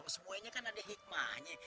semuanya kan ada hikmahnya